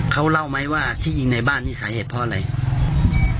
เขาเล่าไหมว่าที่ยิงในบ้านนี่สาเหตุเพราะอะไร